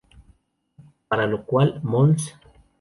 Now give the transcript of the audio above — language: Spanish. Para lo cual, Mons.